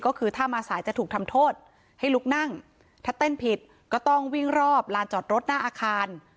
ก็คือถ้ามาสายจะถูกทำโทษให้ลุกนั่งถ้าเต้นผิดก็ต้องวิ่งรอบลานจอดรถหน้าอาคาร